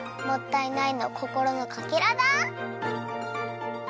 もったいないのこころのかけらだ！